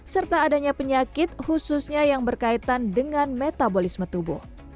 serta adanya penyakit khususnya yang berkaitan dengan metabolisme tubuh